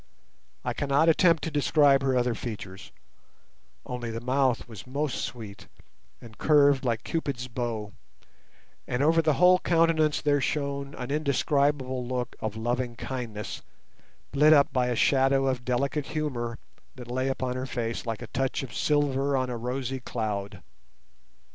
I cannot attempt to describe her other features, only the mouth was most sweet, and curved like Cupid's bow, and over the whole countenance there shone an indescribable look of loving kindness, lit up by a shadow of delicate humour that lay upon her face like a touch of silver on a rosy cloud.